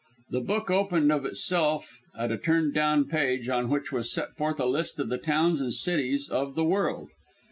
The book opened of itself at a turned down page, on which was set forth a list of the towns and cities of the world.